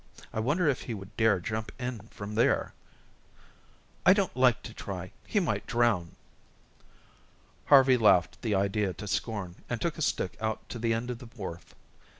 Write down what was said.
I wonder if he would dare jump in from there." "I don't like to try. He might drown." Harvey laughed the idea to scorn, and took a stick out to the end of the wharf.